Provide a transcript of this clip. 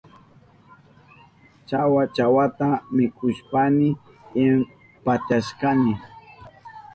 Chawa chawata mikushpayni impachashkani.